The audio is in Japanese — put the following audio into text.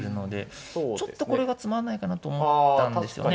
ちょっとこれがつまらないかなと思ったんですよね。